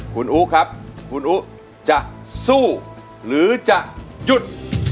คุณอู๋ครับคุณอู๋จะสู้หรือจะหยุด